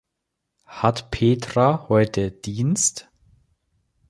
Hat Petra heute Dienst?